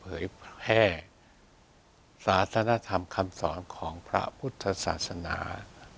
เผยแพร่สาธารณธรรมคำสอนของพระพุทธศาสนา